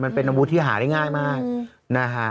มันเป็นอาวุธที่หาได้ง่ายมากนะฮะ